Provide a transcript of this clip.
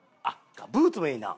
ブーツもいいな。